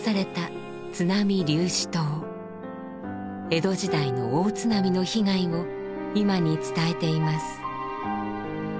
江戸時代の大津波の被害を今に伝えています。